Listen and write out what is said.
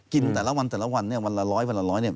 กินแต่ละวันแต่ละวันวันละร้อยวันละร้อย